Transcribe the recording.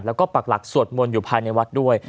แล้วก็ปักหลักสวดมนต์อยู่ภายในวัดด้วย